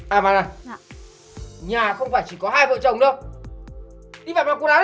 à mà này nhà không phải chỉ có hai vợ chồng đâu đi về bà của nó đi